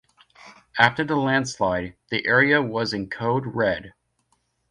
After the landslide, the area was in Code Red.